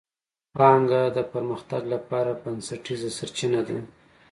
پانګه د پرمختګ لپاره بنسټیزه سرچینه ده.